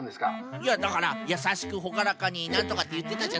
いやだからやさしくほがらかになんとかっていってたじゃないですか。